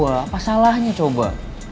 apa salahnya coba